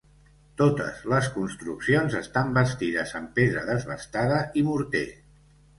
Totes les construccions estan bastides amb pedra desbastada i morter.